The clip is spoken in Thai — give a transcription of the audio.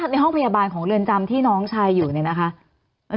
ในห้องพยาบาลของเรือนจำที่น้องชายอยู่เนี่ยนะคะ